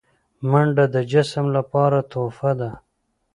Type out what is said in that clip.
منډه د جسم لپاره تحفه ده